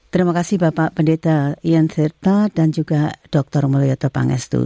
terima kasih bapak pendeta ian tirta dan juga dr mulyoto pangestu